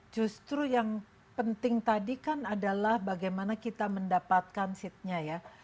justru yang penting tadi kan adalah bagaimana kita mendapatkan seatnya ya